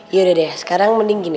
yaudah deh deh sekarang mending gini